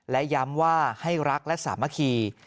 และย้ำว่าให้รักและสมาธิ